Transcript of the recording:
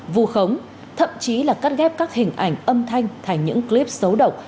vu khống thậm chí là cắt ghép các hình ảnh âm thanh thành những clip xấu độc